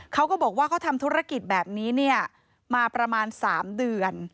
เขาก็บอกว่าเขาทำธุรกิจแบบนี้มาประมาณ๓เดือน